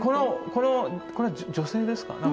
でこれは女性ですか？